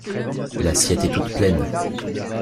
L’assiette est toute pleine.